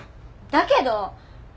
だけど！